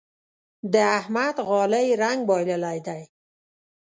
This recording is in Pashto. د احمد غالۍ رنګ بايللی دی.